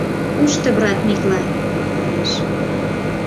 Кушто брат Миклай? — манеш.